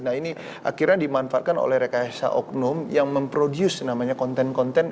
nah ini akhirnya dimanfaatkan oleh rekayasa oknum yang memproduce namanya konten konten